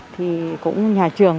thì cũng nhà trường